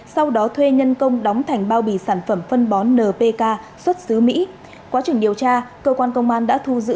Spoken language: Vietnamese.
sau đó thuê nhân công đóng thành bao bì sản phẩm phân bón npk xuất xứ mỹ quá trình điều tra cơ quan công an đã thu giữ